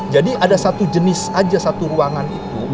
jadi ada satu jenis aja satu ruangan itu